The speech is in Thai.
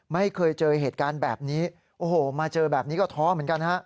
ไม่เคยเจอเหตุการณ์แบบนี้โอ้โหมาเจอแบบนี้ก็ท้อเหมือนกันฮะ